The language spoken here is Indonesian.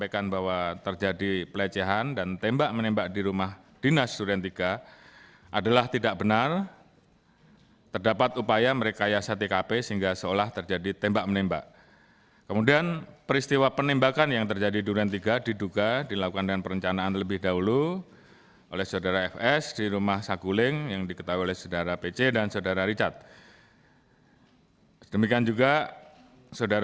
kepolri jendral listio sigit mengungkapkan kronologi awal penembakan brigadir yosua dengan seolah terjadi peristiwa tembak menembak